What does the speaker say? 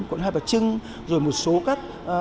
quận hai bà trưng rồi một số các